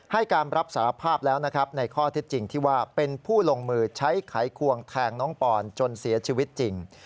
ให้การรับสารภาพแล้วนะครับในข้อเท็จจริงที่ว่าเป็นผู้ลงมือใช้ไขควงแทงน้องปอนจนเสียชีวิตจริง